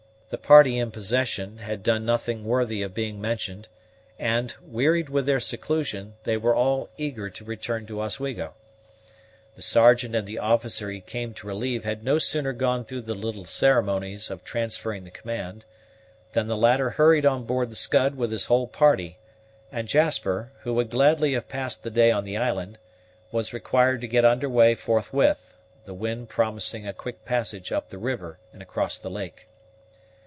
The party in possession had done nothing worthy of being mentioned, and, wearied with their seclusion, they were all eager to return to Oswego. The Sergeant and the officer he came to relieve had no sooner gone through the little ceremonies of transferring the command, than the latter hurried on board the Scud with his whole party; and Jasper, who would gladly have passed the day on the island, was required to get under way forthwith, the wind promising a quick passage up the river and across the lake.